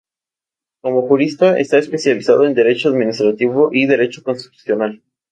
Como jurista, está especializado en derecho administrativo y derecho constitucional.